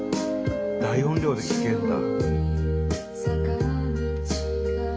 大音量で聴けるんだ。